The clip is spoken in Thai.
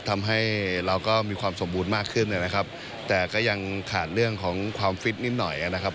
ทำให้เราก็มีความสมบูรณ์มากขึ้นนะครับแต่ก็ยังขาดเรื่องของความฟิตนิดหน่อยนะครับ